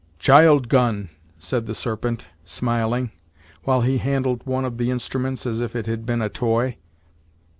"Child gun," said the Serpent, smiling, while he handled one of the instruments as if it had been a toy.